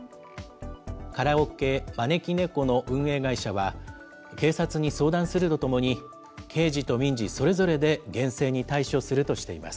カラオケまねきねこの運営会社は、警察に相談するとともに、刑事と民事それぞれで厳正に対処するとしています。